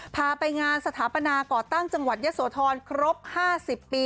พาไปงานสถาปนาก่อตั้งจังหวัดยะโสธรครบ๕๐ปี